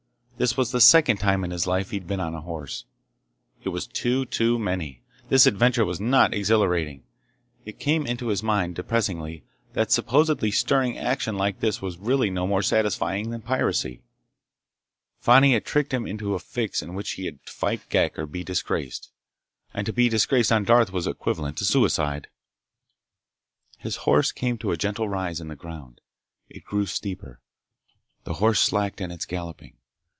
This was the second time in his life he'd been on a horse. It was two too many. This adventure was not exhilarating. It came into his mind, depressingly, that supposedly stirring action like this was really no more satisfying than piracy. Fani had tricked him into a fix in which he had to fight Ghek or be disgraced—and to be disgraced on Darth was equivalent to suicide. His horse came to a gentle rise in the ground. It grew steeper. The horse slacked in its galloping.